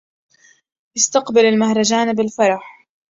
استقبل المهرجان بالفرح